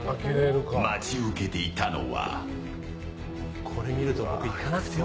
待ち受けていたのは。